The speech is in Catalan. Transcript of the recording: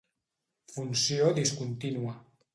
Funció discontínua